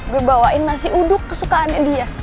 gue bawain nasi uduk kesukaannya dia